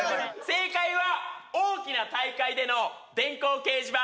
正解は大きな大会での電光掲示板